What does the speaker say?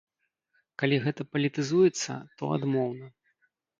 Калі гэта палітызуецца, то адмоўна.